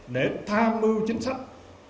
để tha mưu chính sách